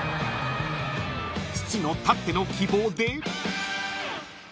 ［父のたっての希望で］